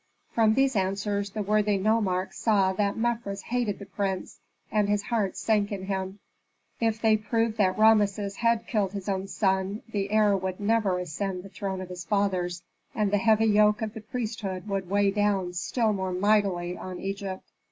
From these answers the worthy nomarch saw that Mefres hated the prince, and his heart sank in him. If they proved that Rameses had killed his own son, the heir would never ascend the throne of his fathers, and the heavy yoke of the priesthood would weigh down still more mightily on Egypt.